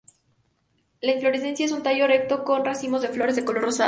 La inflorescencia en un tallo erecto con racimos de flores de color rosado.